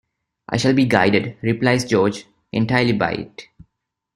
"I shall be guided," replies George, "entirely by it."